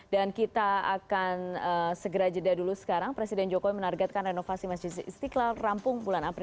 dan kita akan segera jeda dulu sekarang presiden jokowi menargetkan renovasi masjid istiqlal rampung bulan april sembilan belas